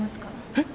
えっ？